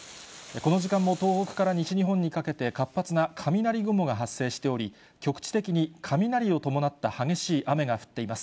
この時間も東北から西日本にかけて、活発な雷雲が発生しており、局地的に雷を伴った激しい雨が降っています。